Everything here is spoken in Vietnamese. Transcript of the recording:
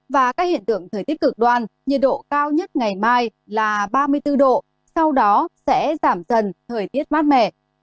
và các hiện tượng thời tiết cực đoan nhiệt độ cao nhất ngày mai là ba mươi bốn độ sau đó sẽ giảm dần thời tiết mát mẻ